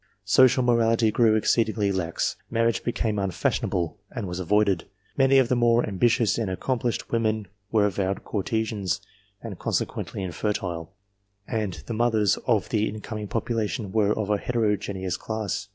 Social morality grew exceedingly lax ; marriage became unTash ionable, and was avoided ; many of the more ambitious and accomplished women were avowed courtesans, and consequently infertile, and the mothers of the incoming population were of a heterogeneous class.